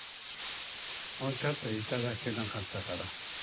おっしゃって頂けなかったから。